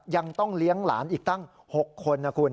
ยังต้องเลี้ยงหลานอีกตั้ง๖คนนะคุณ